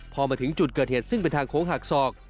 พอมาถึงจุดเกิดเหตุซึ่งเป็นทางโค้งหักศอก